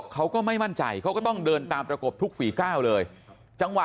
เขาก็ไม่มั่นใจเขาก็ต้องเดินตามประกบทุกฝีก้าวเลยจังหวะ